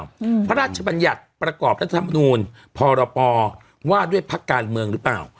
พระราชบัญญัติประกอบรัฐธรรมนูลพรปว่าด้วยพักการเมืองหรือเปล่า